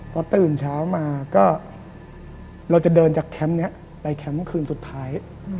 พอตื่นเช้ามาก็เราจะเดินจากแคมป์นี้ไปแคมป์คืนสุดท้าย